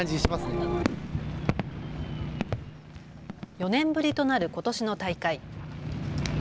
４年ぶりとなることしの大会。